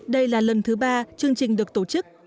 đây là lần thứ ba chương trình được tổ chức